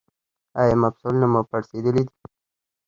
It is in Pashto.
ایا مفصلونه مو پړسیدلي دي؟